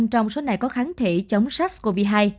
năm trong số này có kháng thể chống sars cov hai